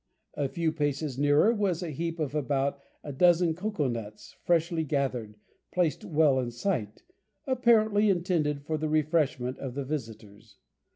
A few paces nearer was a heap of about a dozen cocoa nuts freshly gathered, placed well in sight, apparently intended for the refreshment of the visitors.